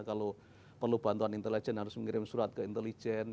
kalau perlu bantuan intelijen harus mengirim surat ke intelijen